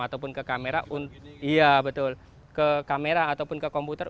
ataupun ke kamera ke komputer